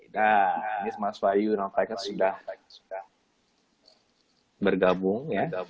nah ini mas wahyu nanti sudah bergabung ya